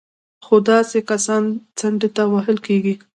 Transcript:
خو داسې کسان څنډې ته وهل کېږي